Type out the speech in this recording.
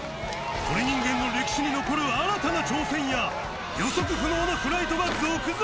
鳥人間の歴史に残る新たな挑戦や予測不能なフライトが続々！